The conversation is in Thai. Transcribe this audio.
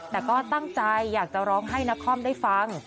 แต่ก็ตั้งใจอยากจะร้องให้นครได้ฟัง